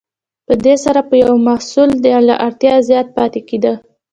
په دې سره به یو محصول له اړتیا زیات پاتې کیده.